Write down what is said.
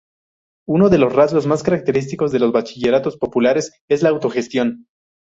Uno de los rasgos más característicos de los Bachilleratos Populares es la autogestión.